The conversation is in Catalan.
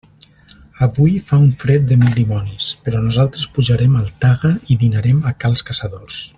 Avui fa un fred de mil dimonis, però nosaltres pujarem al Taga i dinarem a cals Caçadors.